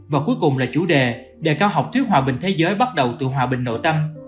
và cuối cùng là chủ đề đề cao học thuyết hòa bình thế giới bắt đầu từ hòa bình nội tâm